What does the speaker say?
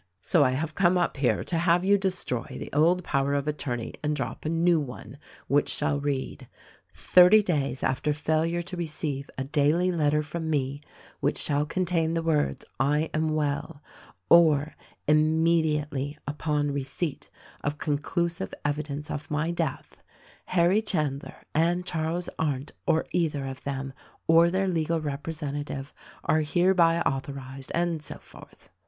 So 1 have come up here to have you destroy the old power of attorney and draw up a new one which shall read : 'Thirty days after failure to receive a daily letter from me which shall contain the words T am well,' or immediately upon receipt of conclusive evidence of my death, Harry Chandler and Charles Arndt or either of them, or their legal representative, are herebv authorized, and so forth."